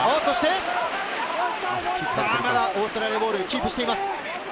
オーストラリア、ボールをキープしています。